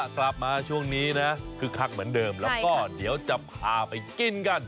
กลับมาช่วงนี้นะคึกคักเหมือนเดิมแล้วก็เดี๋ยวจะพาไปกินกัน